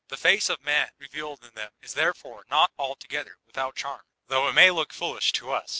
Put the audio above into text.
The face of man revealed in them is therefore not altogether without charm, though it may look foolish to us.